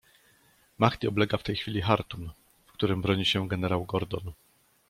- Mahdi oblega w tej chwili Chartum, w którym broni się generał Gordon.